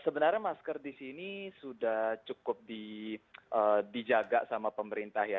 sebenarnya masker di sini sudah cukup dijaga sama pemerintah ya